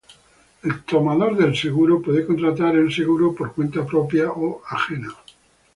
El tomador del seguro puede contratar el seguro por cuenta propia o ajena.